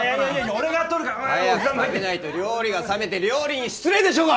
俺が撮るから早く食べないと料理が冷めて料理に失礼でしょうが！